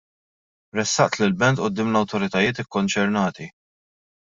Ressaqt l-ilment quddiem l-awtoritajiet kkonċernati.